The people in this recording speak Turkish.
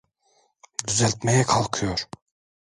Düzeltmeye kalkıyor!